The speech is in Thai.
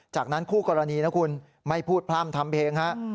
จากนั้นคู่กรณีนะคุณไม่พูดพร่ำทำเพลงฮะ